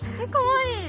かわいい。